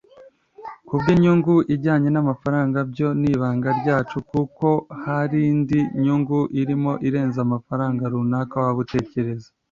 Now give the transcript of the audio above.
Ku by’inyungu ijyanye n'amafaranga byo nibanga ryacu kuko harindi nyungu irimo irenze amafranga runaka waba utekereza